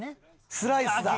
スライスだ。